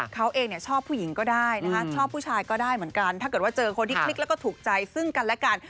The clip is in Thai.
เกิดว่าเจอคนที่คลิกและถูกใจซึ่งกันและกัน